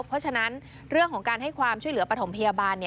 เพราะฉะนั้นเรื่องของการให้ความช่วยเหลือปฐมพยาบาล